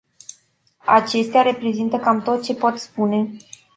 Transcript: Acestea reprezintă cam tot ce pot spune.